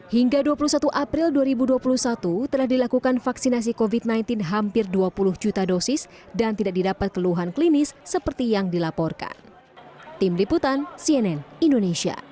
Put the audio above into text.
hingga dua puluh satu april dua ribu dua puluh satu telah dilakukan vaksinasi covid sembilan belas hampir dua puluh juta dosis dan tidak didapat keluhan klinis seperti yang dilaporkan